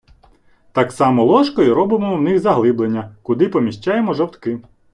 Так само ложкою робимо в них заглиблення, куди поміщаємо жовтки.